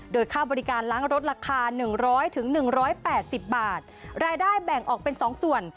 โดยค่าบริการล้างรถราคา๑๐๐๑๘๐บาทรายได้แบ่งออกเป็น๒ส่วน